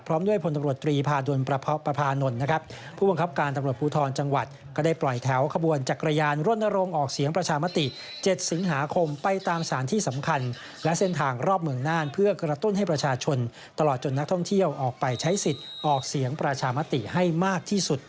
พร้อมด้วยพรตำรวจตรีพาดุลประพานนท์นะครับ